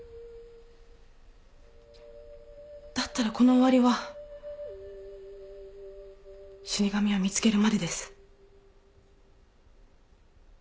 だったらこの終わりは死神を見つけるまでです。